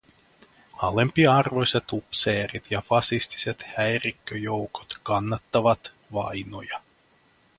Alempiarvoiset upseerit ja fasistiset häirikköjoukot kannattavat vainoja.